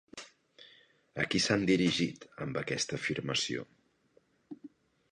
A qui s'han dirigit amb aquesta afirmació?